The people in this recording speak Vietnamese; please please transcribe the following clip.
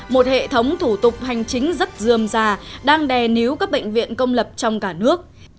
một hệ thống thủ tục hành chính rất dườm già đang đè níu các bệnh viện công lập trong cả nước